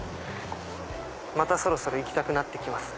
そろそろ行きたくなって来ますね。